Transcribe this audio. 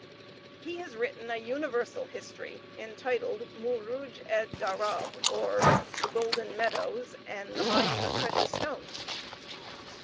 He has written a universal history, entitled, "Mouroudge ed dharab or the Golden Meadows, and the Mines of Precious Stones."